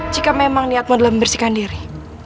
jika memang niatmu dalam membersihkan diri